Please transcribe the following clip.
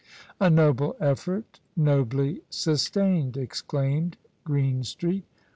" A noble effort, nobly sustained !" exclaimed Green street.